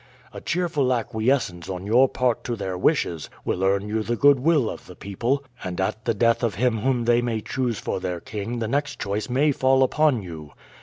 A cheerful acquiescence on your part to their wishes will earn you the good will of the people, and at the death of him whom they may choose for their king their next choice may fall upon you.